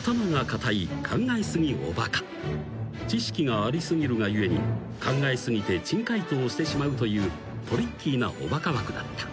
［知識があり過ぎるが故に考え過ぎて珍回答してしまうというトリッキーなおバカ枠だった］